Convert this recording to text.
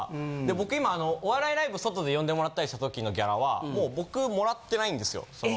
僕いまお笑いライブ外で呼んでもらったりした時のギャラはもう僕もらってないんですよ。